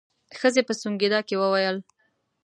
ښځې په سونګېدا کې وويل.